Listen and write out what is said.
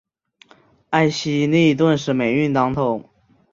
艾希莉顿时霉运当头。